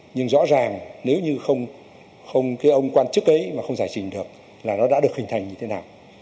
nhưng rõ ràng nếu như không không cái ông quan chức ấy mà không giải trình được là nó đã được hình thành như thế nào